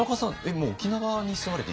もう沖縄に住まれて１１年？